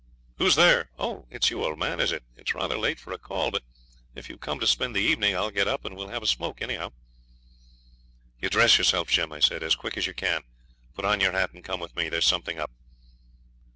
'Who's there? Oh! it's you, old man, is it? It's rather late for a call; but if you've come to spend the evening I'll get up, and we'll have a smoke, anyhow.' 'You dress yourself, Jim,' I said, 'as quick as you can. Put on your hat and come with me; there's something up.'